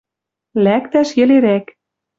Лӓктӓш йӹлерӓк.